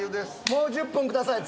もう１０分ください。